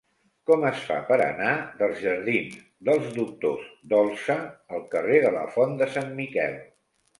Com es fa per anar dels jardins dels Doctors Dolsa al carrer de la Font de Sant Miquel?